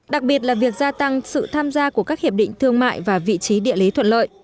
đặc biệt là việc gia tăng sự tham gia của các hiệp định thương mại và vị trí địa lý thuận lợi